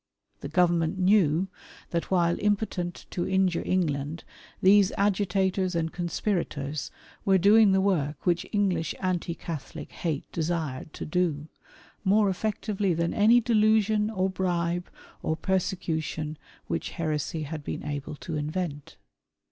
The Government knew, that while impotent to injure England, these agitators and conspirators were doing the work which English anti Catholic hate desired to do, more effectively than any delusion, or bribe, or persecution which heresy had been able to invent.